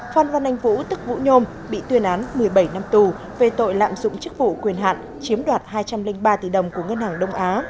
phan văn anh vũ tức vũ nhôm bị tuyên án một mươi bảy năm tù về tội lạm dụng chức vụ quyền hạn chiếm đoạt hai trăm linh ba tỷ đồng của ngân hàng đông á